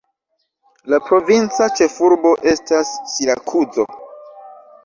La provinca ĉefurbo estas Sirakuzo.